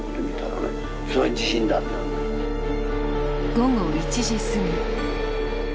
午後１時過ぎ。